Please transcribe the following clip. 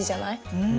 うん。